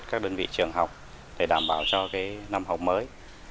trang thiết bị trường học để đảm bảo cho năm học mới